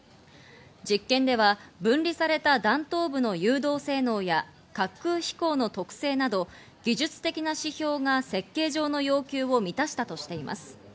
実験では分離された弾頭部の誘導性能や滑空飛行の特性など技術的な指標が設計上の要求を満たしたとしています。